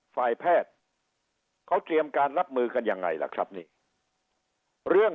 ฝ่ายแพทย์เขาเตรียมการรับมือกันยังไงล่ะครับนี่เรื่อง